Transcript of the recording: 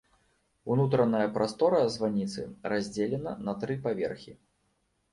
Унутраная прастора званіцы раздзелена на тры паверхі.